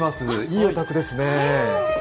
いいお宅ですね。